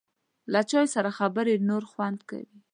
له چای سره خبرې نور خوند کوي.